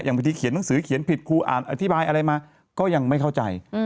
บางทีเขียนหนังสือเขียนผิดครูอ่านอธิบายอะไรมาก็ยังไม่เข้าใจ